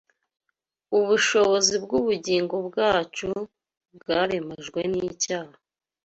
ubushobozi bw’ubugingo bwacu bwaremajwe n’icyaha